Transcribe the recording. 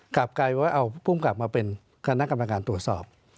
กลับกลายว่าเอาภูมิกลับมาเป็นคณะกรรมการตรวจสอบ